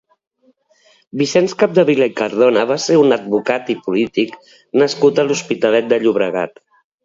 Vicenç Capdevila i Cardona va ser un advocat i polític nascut a l'Hospitalet de Llobregat.